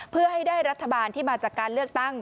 เพื่อให้ได้รัฐบาลที่มาจากการเลือกตั้ง